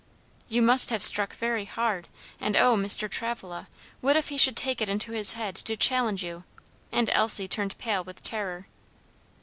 "You must have struck very hard, and oh, Mr. Travilla, what if he should take it into his head to challenge you?" and Elsie turned pale with terror.